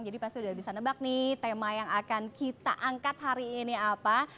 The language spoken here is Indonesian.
jadi pasti udah bisa nebak nih tema yang akan kita angkat hari ini apa